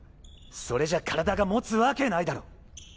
それじゃ体が持つわけないだろ！